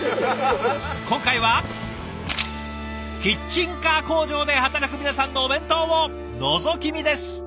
今回はキッチンカー工場で働く皆さんのお弁当をのぞき見です。